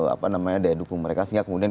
apa namanya daya dukung mereka sehingga kemudian